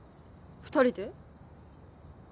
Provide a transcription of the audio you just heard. ２人で？